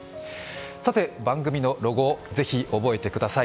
さて、番組のロゴをぜひ覚えてください。